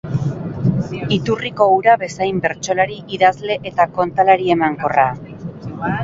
Iturriko ura bezain bertsolari, idazle eta kontalari emankorra.